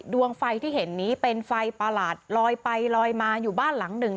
ดวงไฟที่เห็นนี้เป็นไฟประหลาดลอยไปลอยมาอยู่บ้านหลังหนึ่ง